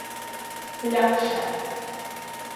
Pļakšēt.